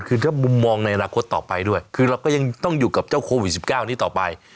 คือถ้ามุมมองในอนาคตต่อไปด้วยคือเราก็ยังต้องอยู่กับเจ้าโควิด๑๙นี้ต่อไป